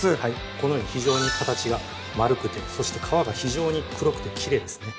このように非常に形が丸くてそして皮が非常に黒くてきれいですね